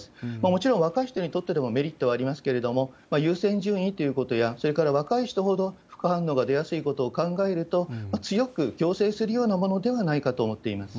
もちろん若い人にとってでもメリットはありますけれども、優先順位ということや、それから若い人ほど副反応が出やすいことを考えると、強く強制するようなものではないかと思っています。